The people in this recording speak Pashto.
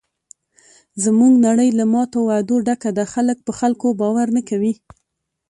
زموږ نړۍ له ماتو وعدو ډکه ده. خلک په خلکو باور نه کوي.